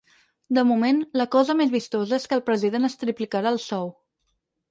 De moment, la cosa més vistosa és que el president es triplicarà el sou.